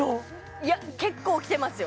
いや結構きてますよ